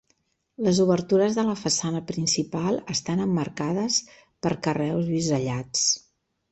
Les obertures de la façana principal estan emmarcades per carreus bisellats.